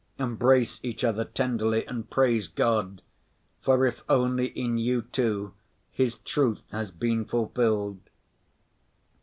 Embrace each other tenderly and praise God, for if only in you two His truth has been fulfilled.